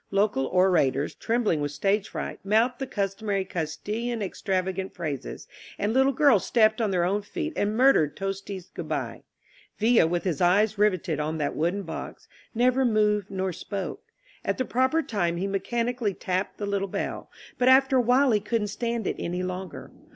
Local orators, trembling with stage fright, mouthed the customary Castilian ex travagant phrases, and little girls stepped on their own feet and murdered Tosti's "Good bye." Villa, with his eyes riveted on that wooden box, never moved nor spoke. At the proper time he mechanically tapped the little bell, but after a while he couldn't stand it any longer.